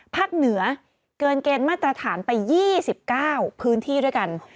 เหนือเกินเกณฑ์มาตรฐานไป๒๙พื้นที่ด้วยกัน